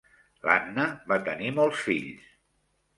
L'Anna va tenir molts fills.